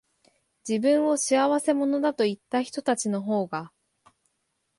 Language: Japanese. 自分を仕合せ者だと言ったひとたちのほうが、